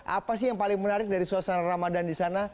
apa sih yang paling menarik dari suasana ramadan di sana